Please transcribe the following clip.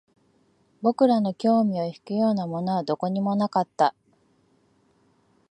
僕らの興味を引くようなものはどこにもなかった